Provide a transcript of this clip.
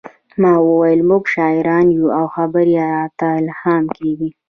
ما وویل موږ شاعران یو او خبرې راته الهام کیږي